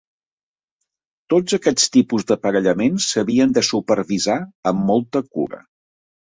Tots aquests tipus d'aparellaments s'havien de supervisar amb molta cura.